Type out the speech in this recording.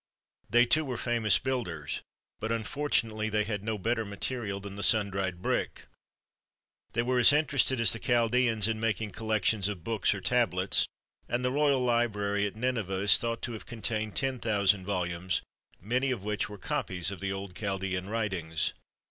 They, too, were famous builders, but, unfortunately, they had no better material than the sun dried brick. They were as interested as the Chaldaeans in making collections of books, or tablets; and the Royal Library at Nineveh is thought to have contained ten thousand vol umes, many of which were copies of the old Chaldaean writ ings.